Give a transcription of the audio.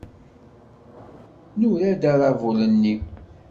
Nura-d aṛabul-nni.